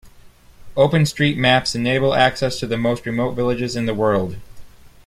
Open street maps enable access to the most remote villages in the world.